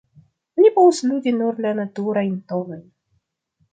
Oni povas ludi nur la naturajn tonojn.